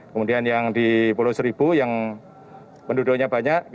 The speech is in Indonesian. kemudian yang di pulau seribu yang penduduknya banyak